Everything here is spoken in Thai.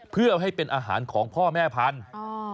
เพื่อให้เป็นอาหารของพ่อแม่พันธุ์